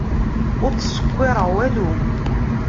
Ur ttṣekkiṛeɣ walu.